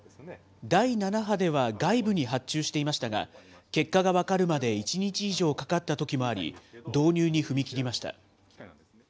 第７波では外部に発注していましたが、結果が分かるまで１日以上かかったときもあり、導入に踏み切りました。